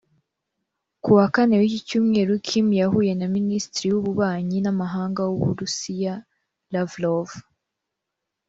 Ku wa Kane w’iki Cyumweru Kim yahuye na Minisitiri w’ububanyi n’amahanga w’Uburusiya Lavrov